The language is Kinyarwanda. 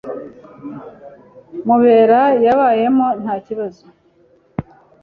Mubera yabayemo nta kibazo.